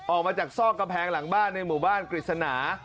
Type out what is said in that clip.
ออกมาจากซอกกำแพงหลังบ้านในหมู่บ้านกฤษณา